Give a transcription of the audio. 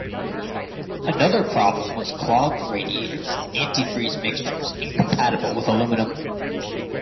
Another problem was clogged radiators from antifreeze mixtures incompatible with aluminum.